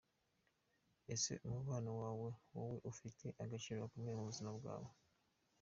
Ese umubano wawe nawe ufite agaciro gakomeye mu buzima bwawe?.